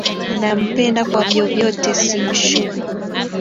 Nampenda kwa vyovyote, simshuku.